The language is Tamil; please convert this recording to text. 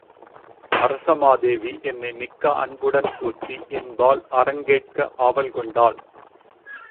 அரசமாதேவி என்னை மிக்க அன்புடன் போற்றி, என்பால் அறங்கேட்க ஆவல் கொண்டாள்.